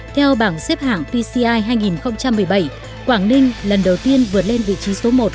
theo bảng xếp hạng pci hai nghìn một mươi bảy quảng ninh lần đầu tiên vượt lên vị trí số một